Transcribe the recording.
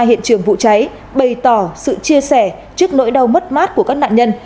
hiện trường vụ cháy bày tỏ sự chia sẻ trước nỗi đau mất mát của các nạn nhân